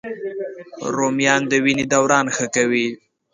رومیان د وینې دوران ښه کوي